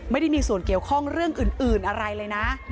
ไม่ได้มีส่วนเกี่ยวข้องเรื่องอื่นอะไรเลยนะ